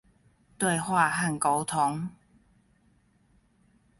對話和溝通